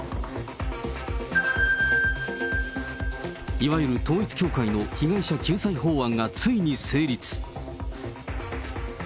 いわゆる統一教会の被害者救済法案がついに成立。